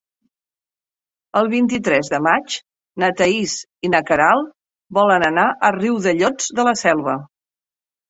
El vint-i-tres de maig na Thaís i na Queralt volen anar a Riudellots de la Selva.